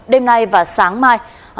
đêm nay và sáng mai